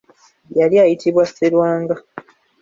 Yali ayitibwa Sserwanga .